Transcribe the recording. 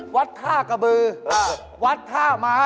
วัดท่ากระบือวัดท่าม้า